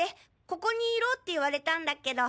ここにいろって言われたんだけど。